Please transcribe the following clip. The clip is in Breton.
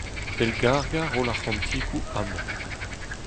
Pellgargañ roll ar c'hantikoù, amañ.